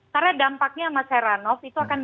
karena dampaknya mas heranov itu akan